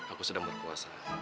aku sedang berpuasa